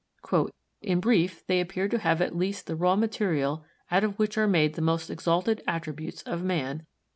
"In brief, they appear to have at least the raw material out of which are made the most exalted attributes of man."